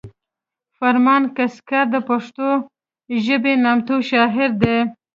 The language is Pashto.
فرمان کسکر د پښتو ژبې نامتو شاعر دی